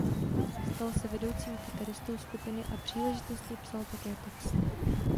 Stal se vedoucím kytaristou skupiny a příležitostně psal také text.